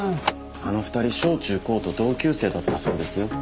あの２人小中高と同級生だったそうですよ。